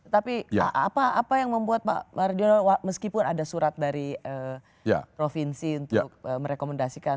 tapi apa yang membuat pak mardiono meskipun ada surat dari provinsi untuk merekomendasikan